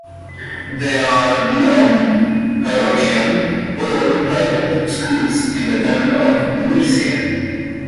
There are no parochial or private schools in the town of Billerica.